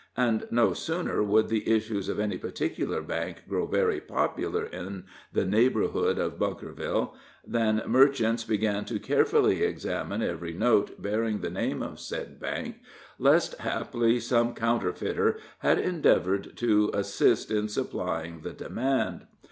And no sooner would the issues of any particular bank grow very popular in the neighborhood of Bunkerville than merchants began to carefully examine every note bearing the name of said bank, lest haply some counterfeiter had endeavored to assist in supplying the demand.